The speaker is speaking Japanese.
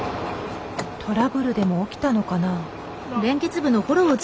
トラブルでも起きたのかな？